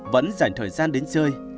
vẫn dành thời gian đến chơi